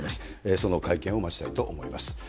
その会見を待ちたいと思います。